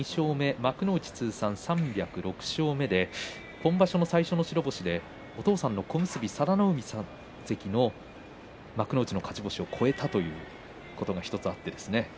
幕内通算３０６勝目で今場所は最初の白星でお父さんの佐田の海関の幕内の勝ち星を超えたということが１つあって。